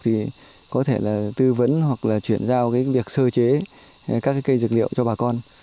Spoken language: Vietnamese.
thì có thể là tư vấn hoặc là chuyển giao cái việc sơ chế các cái cây dược liệu cho bà con